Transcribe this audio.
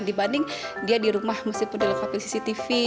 dibanding dia di rumah masih peduluk opisi tv